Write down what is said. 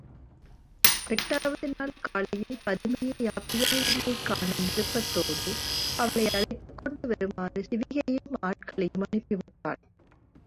எட்டாவது நாள் காலையில் பதுமையே யாப்பியாயினியைக் காணும் விருப்பத்தோடு அவளை அழைத்துக் கொண்டு வருமாறு சிவிகையையும் ஆட்களையும் அனுப்பிவிட்டாள்.